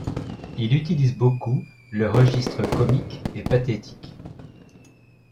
Il utilise beaucoup le registre comique et pathétique.